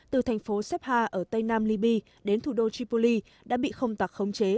từ thành phố sepha ở tây nam liby đến thủ đô tripoli đã bị không tặc khống chế